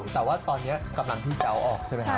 แต่ว่าตอนนี้กับต่างที่เจ้าออกใช่ไหมครับ